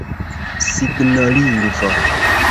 signolingvo